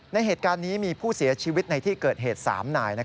ในเหตุการณ์นี้มีผู้เสียชีวิตในที่เกิดเหตุ๓นาย